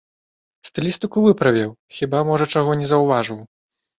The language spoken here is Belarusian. Стылістыку выправіў, хіба можа чаго не заўважыў.